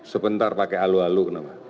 sebentar pakai alu alu